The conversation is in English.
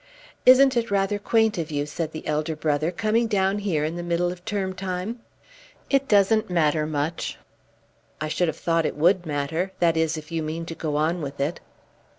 "Isn't it rather quaint of you," said the elder brother, "coming down here in the middle of term time?" "It doesn't matter much." "I should have thought it would matter; that is, if you mean to go on with it."